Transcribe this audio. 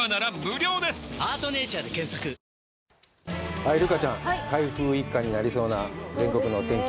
ハイ、留伽ちゃん、台風一過になりそうな全国のお天気。